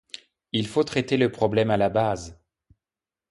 Il faut traiter le problème à la base.